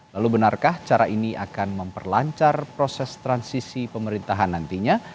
lalu benarkah cara ini akan memperlancar proses transisi pemerintahan nantinya